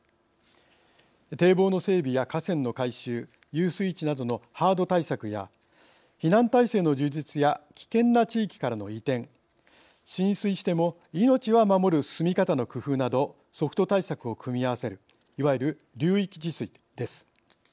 堤防の整備や河川の改修遊水地などのハード対策や避難態勢の充実や危険な地域からの移転浸水しても命は守る住み方の工夫などソフト対策を組み合わせるいわゆる流域治水です。